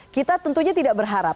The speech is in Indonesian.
kita tentunya tidak berharap